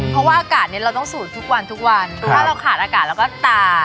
เพราะว่าอากาศเนี่ยเราต้องสูดทุกวันรู้ว่าเราขาดอากาศเราก็ตาย